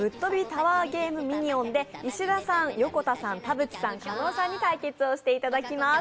タワーゲーム・ミニオン」で石田さん、横田さん、田渕さん加納さんに対決していただきます。